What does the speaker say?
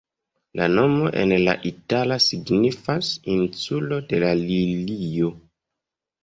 La nomo en la itala signifas "insulo de la lilio".